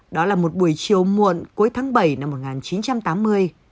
đó là một buổi chiều muộn cuối tháng bảy năm một nghìn chín trăm tám mươi